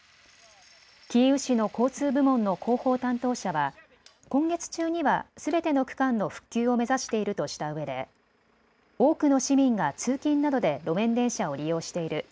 キーウ市の交通部門の広報担当者は今月中にはすべての区間の復旧を目指しているとしたうえで多くの市民が通勤などで路面電車を利用している。